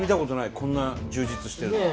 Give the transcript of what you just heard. こんな充実してるの。